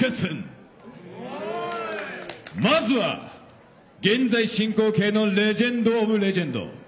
まずは現在進行形のレジェンドオブレジェンド。